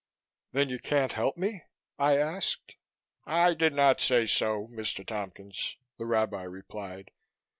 "Then you can't help me?" I asked. "I did not say so, Mr. Tompkins," the Rabbi replied.